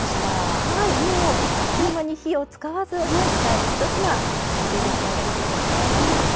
もうあっという間に火を使わず副菜１品これで出来上がりですね。